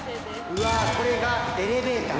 うわこれがエレベーター。